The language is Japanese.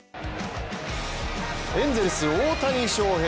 エンゼルス・大谷翔平。